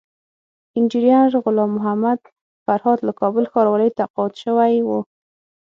انجينر غلام محمد فرهاد له کابل ښاروالۍ تقاعد شوی وو